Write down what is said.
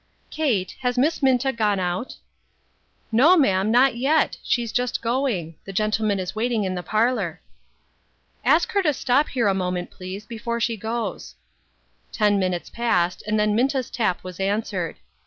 " Kate, has Miss Minta gone out? " "No, ma'am, not yet; she's just going; the gentleman is waiting in the parlor." " Ask her to step here a moment, please, before she goes." Ten minutes passed, and then Minta's tap was answered.